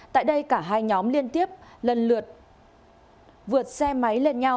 tại đây cả hai nhóm liên tiếp lần lượt vượt xe máy lên nhau